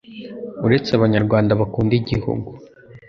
uretse Abanyarwanda bakunda igihugu